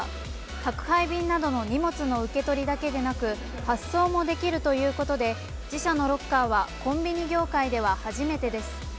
宅配便などの荷物の受け取りだけでなく発送もできるということで自社のロッカーはコンビニ業界では初めてです